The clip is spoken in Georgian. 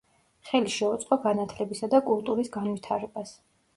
ხელი შეუწყო განათლებისა და კულტურის განვითარებას.